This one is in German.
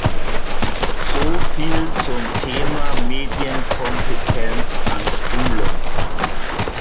So viel zum Thema Medienkompetenz an Schulen.